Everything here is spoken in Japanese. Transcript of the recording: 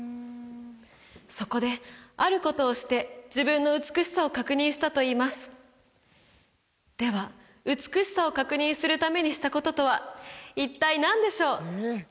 そこであることをして自分の美しさを確認したといいますでは美しさを確認するためにしたこととは一体何でしょう？